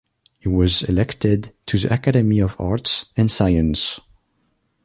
He was elected to the Academy of Arts and Sciences.